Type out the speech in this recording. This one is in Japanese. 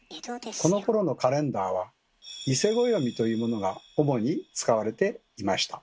このころのカレンダーは「伊勢暦」というものが主に使われていました。